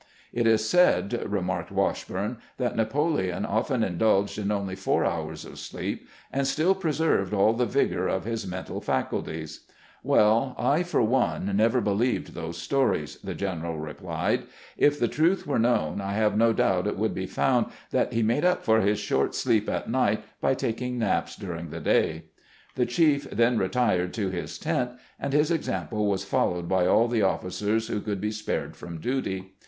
" It is said," re marked Washburne, " that Napoleon often indulged in only four hours of sleep, and still preserved all the CONFEEENCE BETWEEN GRANT AND MEADE 55 vigor of his mental faculties." " Well, I, for one, never believed those stories," the general replied. "If the truth were known, I have no doubt it would be found that he made up for his short sleep at night by taking naps during the day." The chief then retired to his tent, and his example was followed by all the officers who could be spared from duty.